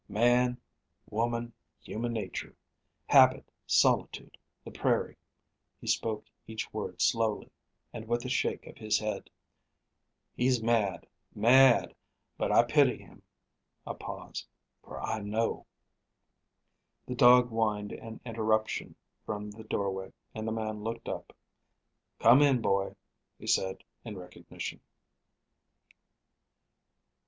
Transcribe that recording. "Man, woman, human nature; habit, solitude, the prairie." He spoke each word slowly, and with a shake of his head. "He's mad, mad; but I pity him" a pause "for I know." The dog whined an interruption from the doorway, and the man looked up. "Come in, boy," he said, in recognition.